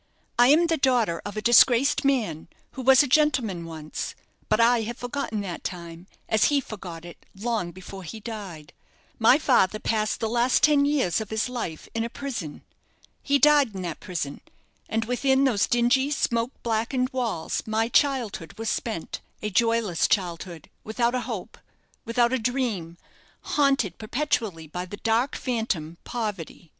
"I am the daughter of a disgraced man, who was a gentleman once; but I have forgotten that time, as he forgot it long before he died. "My father passed the last ten years of his life in a prison. He died in that prison, and within those dingy smoke blackened walls my childhood was spent a joyless childhood, without a hope, without a dream, haunted perpetually by the dark phantom, Poverty.